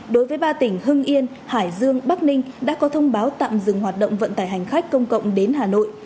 đối với ba tỉnh hưng yên hải dương bắc ninh đã có thông báo tạm dừng hoạt động vận tải hành khách công cộng đến hà nội